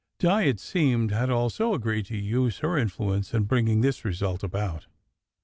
Di, it seemed, had also agreed to use her in fluence in bringing this result about.